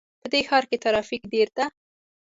په دې ښار کې ترافیک ډېر ده